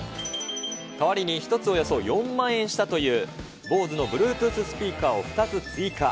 代わりに１つおよそ４万円したというボーズのブルートゥーススピーカーを２つ追加。